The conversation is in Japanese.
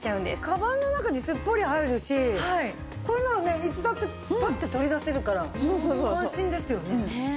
カバンの中にすっぽり入るしこれならねいつだってパッて取り出せるから安心ですよね。